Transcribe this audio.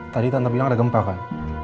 tadi tante bilang ada gempa kan